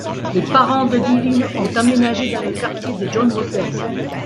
Les parents de Divine ont emménagé dans le quartier de John Waters.